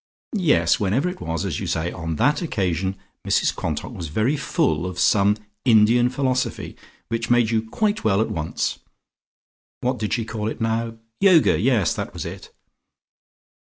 "Yes; whenever it was, as you say, on that occasion Mrs Quantock was very full of some Indian philosophy which made you quite well at once. What did she call it now? Yoga! Yes, that was it!"